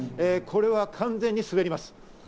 これは完全に滑ります。